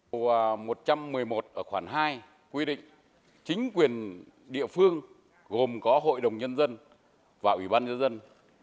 điều một trăm một mươi một ở khoảng hai quy định chính quyền địa phương gồm có hội đồng nhân dân và ủy ban nhân dân